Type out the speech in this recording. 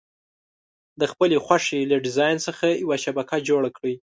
د خپلې خوښې له ډیزاین څخه یوه شبکه جوړه کړئ.